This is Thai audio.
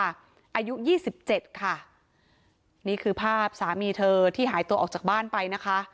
อายุยี่สิบเจ็ดค่ะนี่คือภาพสามีเธอที่หายตัวออกจากบ้านไปนะคะ